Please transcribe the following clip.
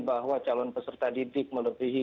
bahwa calon peserta didik melebihi